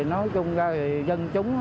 nói chung là dân chúng